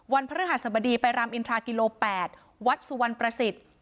พระฤหัสบดีไปรามอินทรากิโล๘วัดสุวรรณประสิทธิ์